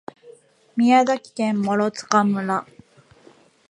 宮崎県諸塚村